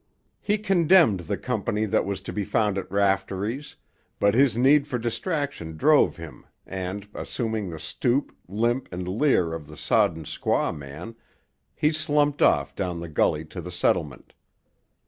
He condemned the company that was to be found at Raftery's, but his need for distraction drove him and, assuming the stoop, limp and leer of the sodden squaw man, he slumped off down the gully to the settlement.